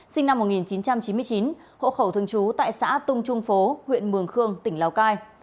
sinh năm một nghìn chín trăm chín mươi chín hộ khẩu thường trú tại xã tung trung phố huyện mường khương tỉnh lào cai